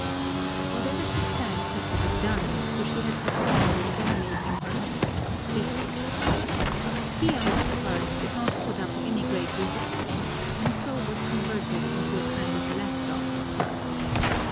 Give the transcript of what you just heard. Whatever she said had to be done, for she had succeeded in dominating her husband completely. He on his part did not put up any great resistance and so was converted into a kind of lap dog of hers.